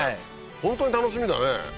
ホントに楽しみだね！